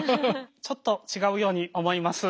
ちょっと違うように思います。